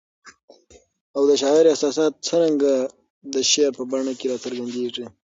او د شاعر احساسات څرنګه د شعر په بڼه کي را څرګندیږي؟